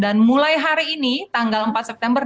dan mulai hari ini tanggal empat september dua ribu dua puluh satu